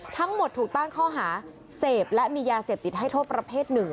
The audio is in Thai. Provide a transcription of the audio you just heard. ทั้งหมดถูกตั้งข้อหาเสพและมียาเสพติดให้โทษประเภทหนึ่ง